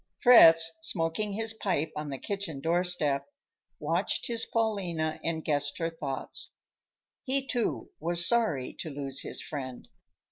Fritz, smoking his pipe on the kitchen doorstep, watched his Paulina and guessed her thoughts. He, too, was sorry to lose his friend.